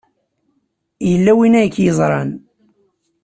Yella win ay k-yeẓran.